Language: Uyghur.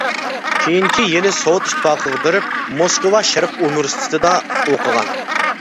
كېيىنكى يىلى سوۋېت ئىتتىپاقىغا بېرىپ موسكۋا شەرق ئۇنىۋېرسىتېتىدا ئوقۇغان.